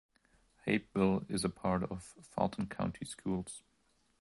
Hapeville is a part of Fulton County Schools.